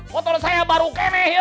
motor saya baru keneh